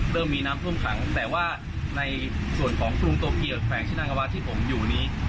เริ่มมีน้ำท่วมขังแต่ว่าในส่วนของกรุงโตเกียวแขวงชนังวาที่ผมอยู่นี้